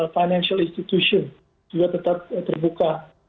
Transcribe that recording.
financial institution juga tetap terbuka